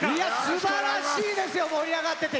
すばらしいですね盛り上がっていて。